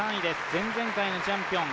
前々回のチャンピオン。